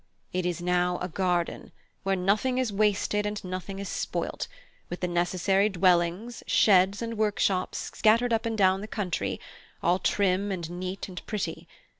It is now a garden, where nothing is wasted and nothing is spoilt, with the necessary dwellings, sheds, and workshops scattered up and down the country, all trim and neat and pretty.